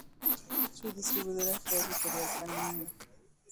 Su distribuidora fue Editorial Panini.